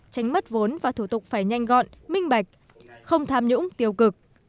tránh mất vốn và thủ tục phải nhanh gọn minh bạch không tham nhũng tiêu cực